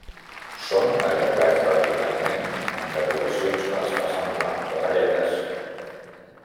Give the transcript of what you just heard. Són allargats verticalment amb decoracions que les fa semblar capelletes.